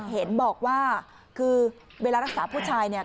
เห็นบอกว่าคือเวลารักษาผู้ชายเนี่ย